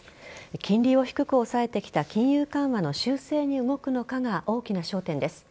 金利を低く抑えてきた金融緩和の修正に動くのかが大きな焦点です。